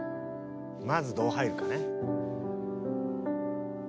まずどう入るかね。